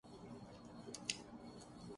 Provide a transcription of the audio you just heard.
بھارت اس کے علاوہ ہے۔